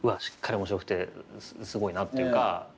しっかり面白くてすごいなっていうか。